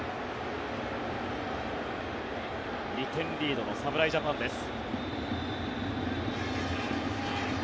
２点リードの侍ジャパンです。